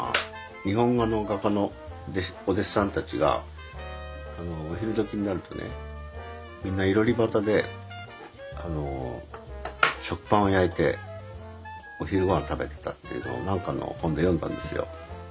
日本画の画家のお弟子さんたちがお昼時になるとねみんないろり端で食パンを焼いてお昼ごはん食べてたっていうのを何かの本で読んだんですよ。